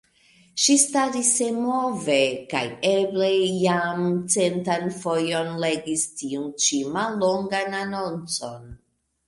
Ŝi staris senmove kaj eble jam centan fojon legis tiun ĉi mallongan anoncon.